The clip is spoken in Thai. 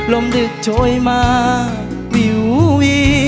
ลมดึกโชยมาวิววิ